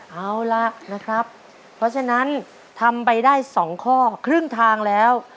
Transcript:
เอาล่ะนะครับเพราะฉะนั้นทำไปได้๒ข้อครึ่งทางแล้ว